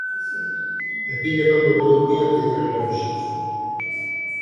Aquí levamos dous días de trebóns.